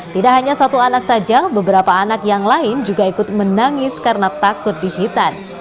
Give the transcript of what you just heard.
tidak hanya satu anak saja beberapa anak yang lain juga ikut menangis karena takut dihitan